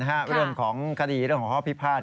วิ่งเรื่องของคดีและวิ่งเรื่องของข้อพิพาท